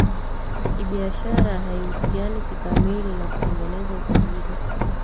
kibiashara Haihusiani kikamili na kutengeneza utajiri